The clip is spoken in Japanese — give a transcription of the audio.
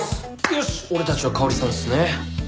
俺たちはかおりさんですね。